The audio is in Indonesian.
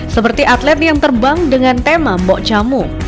seperti atlet yang terbang dengan tema mbok camu